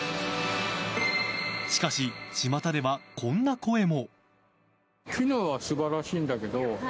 しかし、ちまたではこんな声も。